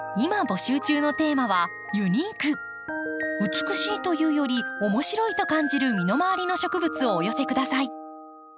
美しいというより面白いと感じる身の回りの植物をお寄せ下さい。